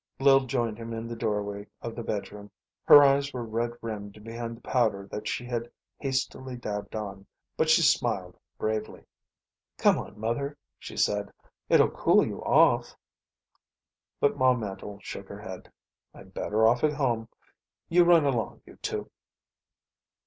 Lil joined him in the doorway of the bedroom. Her eyes were red rimmed behind the powder that she had hastily dabbed on, but she smiled bravely. "Come on, Mother," she said. "It'll cool you off." But Ma Mandle shook her head. "I'm better off at home. You run along, you two."